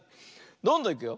どんどんいくよ。